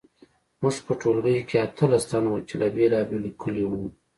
موږ په ټولګي کې اتلس تنه وو چې له بیلابیلو کلیو وو